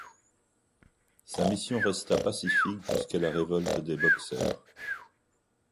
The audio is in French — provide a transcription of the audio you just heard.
Sa mission resta pacifique jusqu'à la révolte des Boxers.